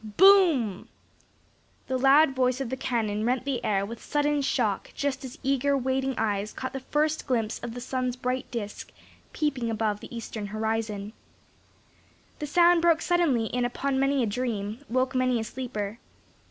"BOOM!" The loud voice of the cannon rent the air with sudden shock just as eager waiting eyes caught the first glimpse of the sun's bright disc peeping above the eastern horizon. The sound broke suddenly in upon many a dream, woke many a sleeper.